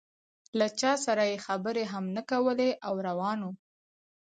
له چا سره یې خبرې هم نه کولې او روان و.